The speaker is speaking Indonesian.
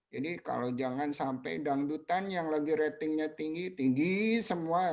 kalau jangan sampai dangdutan yang lagi ratingnya tinggi tinggi semua